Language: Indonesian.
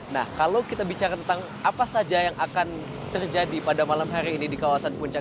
nah kalau kita bicara tentang apa saja yang akan terjadi pada malam hari ini di kawasan puncak